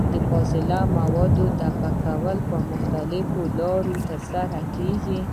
د فاضله موادو دفع کول په مختلفو لارو ترسره کېږي.